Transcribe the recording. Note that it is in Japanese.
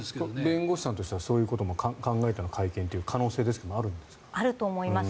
弁護士さんとしてはそういうことも考えての会見というのもあると思います。